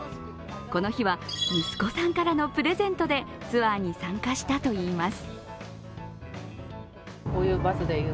この日は息子さんからのプレゼントでツアーに参加したといいます。